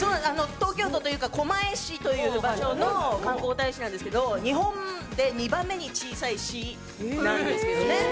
東京とというか、狛江市という場所の観光大使なんですけど、日本で２番目に小さい市なんですけどね。